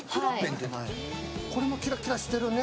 これもキラキラしてるね。